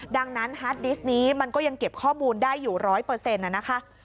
ดังนั้นฮาร์ดดิสต์นี้มันก็ยังเก็บข้อมูลได้อยู่ร้อยเปอร์เซ็นต์นะคะ